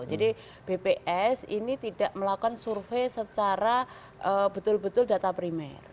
jadi bps ini tidak melakukan survei secara betul betul data primer